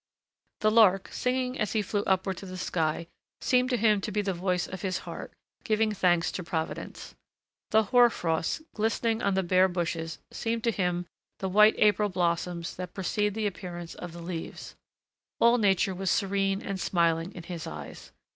The lark, singing as he flew upward to the sky, seemed to him to be the voice of his heart, giving thanks to Providence. The hoar frost, glistening on the bare bushes, seemed to him the white April blossoms that precede the appearance of the leaves. All nature was serene and smiling in his eyes.